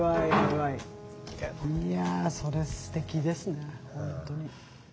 いやそれすてきですね。